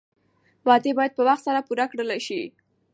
وعدې باید په وخت سره پوره کړل شي.